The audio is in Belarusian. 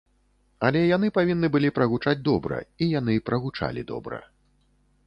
Але яны павінны былі прагучаць добра, і яны прагучалі добра.